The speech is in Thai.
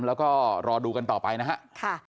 แล้วก็รอดูกันต่อไปนะครับ